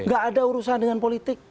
gak ada urusan dengan politik